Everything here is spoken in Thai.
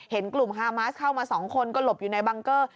เห็นกลุ่มฮามาสเข้ามา๒คนก็หลบอยู่ในบังเกอร์